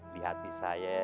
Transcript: di hati saya